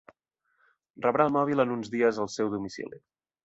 Rebrà el mòbil en uns dies al seu domicili.